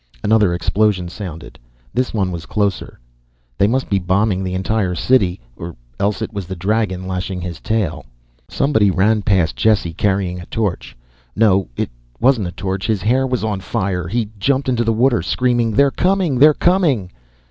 Another explosion sounded. This one was closer. They must be bombing the entire city. Or else it was the dragon, lashing his tail. Somebody ran past Jesse, carrying a torch. No, it wasn't a torch his hair was on fire. He jumped into the water, screaming, "They're coming! They're coming!"